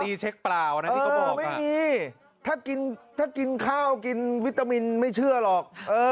มีเช็คเปล่านะที่เขาบอกไม่มีถ้ากินถ้ากินข้าวกินวิตามินไม่เชื่อหรอก